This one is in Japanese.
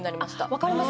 分かります。